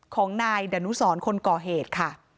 ของไหน่ยดานุสรคนก่อเหตุ